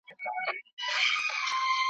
چي د چا په غاړه طوق د غلامۍ سي ,